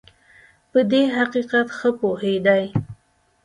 په دې حقیقت ښه پوهېدی.